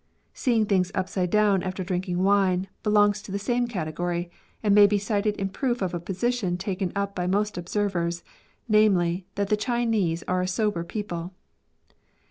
" Seeing things upside down after drinking wine/' belongs to the same category, and may be cited in proof of a position taken up by most observers, namely, that the Chinese are a sober people.